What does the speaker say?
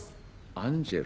「アンジェロ」？